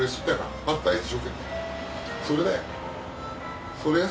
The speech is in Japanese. それで。